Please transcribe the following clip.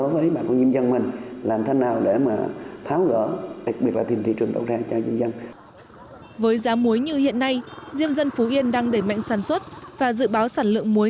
với giá muối như hiện nay diêm dân phú yên đang đẩy mạnh sản xuất và dự báo sản lượng muối